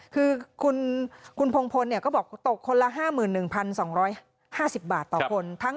คือคุณพงพลก็บอกตกคนละ๕๑๒๕๐บาทต่อคน